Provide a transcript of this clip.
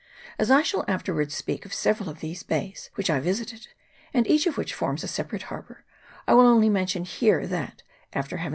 As I shall afterwards speak of several of these bays, which I visited, and each of which forms a separate harbour, I will only mention here, that, after having seen CHAP.